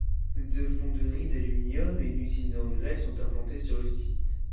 Deux fonderies d'aluminium et une usine d'engrais sont implantées sur le site.